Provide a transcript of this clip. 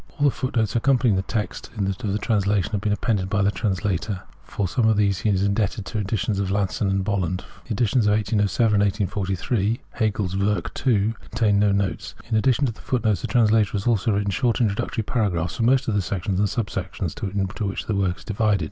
All the footnotes accompanying the text of the trans lation have been appended by the translator. For sojTie of these he is indebted to the editions of Lasson and Bolland. The editions of 1807 and of 1843 (Hegel's Werke II) contain no notes. In addition to the fo(3t notes the translator has also written short introductory paragraphs for most of the sections and sub sections into which the work is divided.